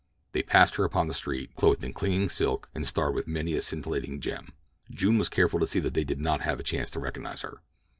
They passed her upon the street, clothed in clinging silk and starred with many a scintillating gem. June was careful to see that they did not have a chance to recognize her.